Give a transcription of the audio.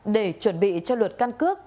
để chuẩn bị cho luật căn cước